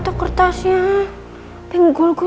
aku mau pergi dulu